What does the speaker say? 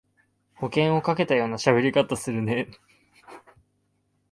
保険をかけたようなしゃべり方するね